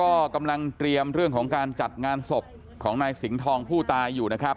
ก็กำลังเตรียมเรื่องของการจัดงานศพของนายสิงห์ทองผู้ตายอยู่นะครับ